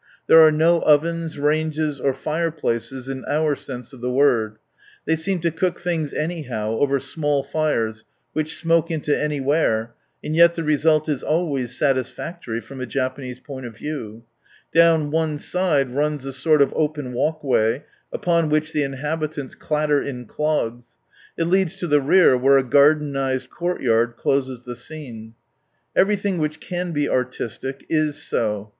There are no ovens, ranges, or H fireplaces, in our sense of the word. They ^| seem to cook things anyhow, over small fires, ^| which smoke into anywhere, and yet the H "^■^^^j^jki^^^^r T result is always satisfactory, from a Japanese ^M I^^^^^^M ^k P°'"* °f ^'^' Down one side runs a sort of | o[jen walk way, upon which the inhabitants ^|)' a WnS clatter in clogs ; it leads to the rear, where a H ^#m gardenised courtyard closes the scene. ^| Everything which can be artistic, is so.